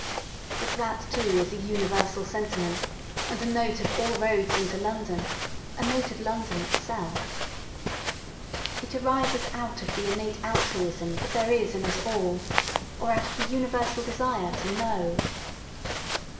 But that, too, is a universal sentiment and a ^^ note " of all roads into London, a note of London itself. It arises out or the innate altruism that there is in us all, or out of the universal desire to "know."